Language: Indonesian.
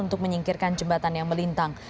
untuk menyingkirkan jembatan yang melintang